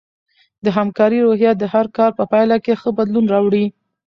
د همکارۍ روحیه د هر کار په پایله کې ښه بدلون راوړي.